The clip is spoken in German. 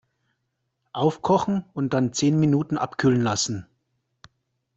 Aufkochen und dann zehn Minuten abkühlen lassen.